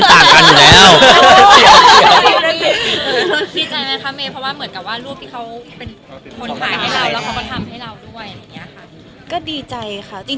ถามถึงครั้ง